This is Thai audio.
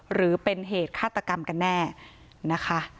หรือเป็นเหตุฆาตกรรมกันแน่นะคะ